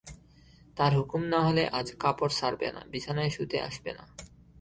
তাঁর হুকুম না হলে আজ কাপড় ছাড়বে না, বিছানায় শুতে আসবে না!